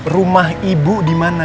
rumah ibu dimana